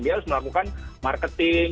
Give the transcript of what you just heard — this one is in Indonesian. dia harus melakukan marketing